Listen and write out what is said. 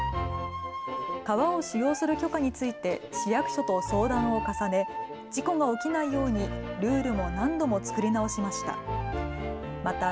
川を使用する許可について市役所と相談を重ね、事故が起きないように、ルールも何度も作り直しました。